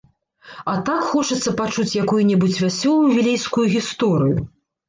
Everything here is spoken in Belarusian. А так хочацца пачуць якую-небудзь вясёлую вілейскую гісторыю!